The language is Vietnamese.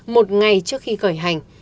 một ngày trước khi cởi hành